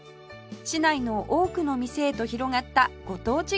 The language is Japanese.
市内の多くの店へと広がったご当地グルメです